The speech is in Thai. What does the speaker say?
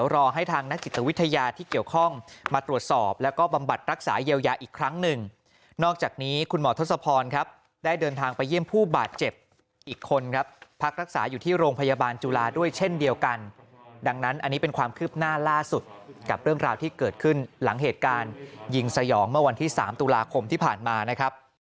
ไปเยี่ยมผู้บาดเจ็บอีกคนครับพักรักษาอยู่ที่โรงพยาบาลจุฬาด้วยเช่นเดียวกันดังนั้นอันนี้เป็นความคืบหน้าล่าสุดกับเรื่องราวที่เกิดขึ้นหลังเหตุการณ์ยิงสยองเมื่อวันที่๓ตุลาคมที่ผ่านมานะครับ